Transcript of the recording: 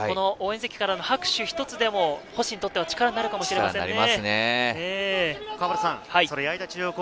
この応援席からの拍手一つでも星にとっては力になるかもしれませんね。